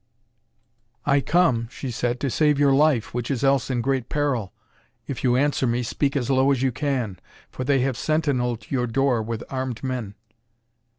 "I come," she said, "to save your life, which is else in great peril if you answer me, speak as low as you can, for they have sentinelled your door with armed men."